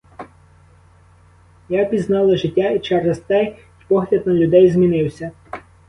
Я пізнала життя, і через те й погляд на людей змінився.